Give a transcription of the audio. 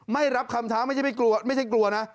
ไม่รับคำท้าไม่ใช่ไม่กลัวไม่ใช่กลัวนะ